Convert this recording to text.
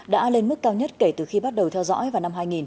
đã lên mức cao nhất kể từ khi bắt đầu theo dõi vào năm hai nghìn